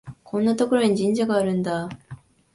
こんなところに神社があるんだ